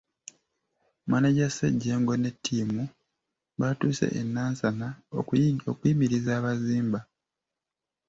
Mmaneja Ssejjengo ne ttiimu nga batuuse e Nansana okuyimiriza abazimba.